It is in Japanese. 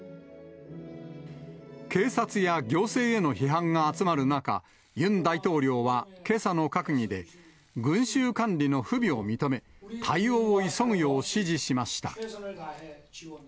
警察や行政への批判が集まる中、ユン大統領はけさの閣議で、群衆管理の不備を認め、対応を急ぐよう指示しました。